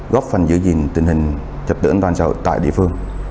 góp phần giữ gìn tình hình trật tượng toàn sở tại địa phương